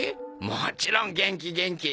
もちろん元気元気！